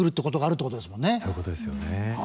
そういうことですよね。